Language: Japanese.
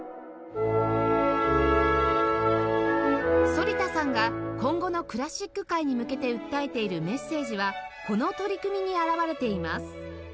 反田さんが今後のクラシック界に向けて訴えているメッセージはこの取り組みにあらわれています